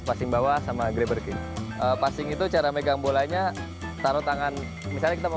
passing bawah sama grabbergy passing itu cara megang bolanya taruh tangan misalnya kita mau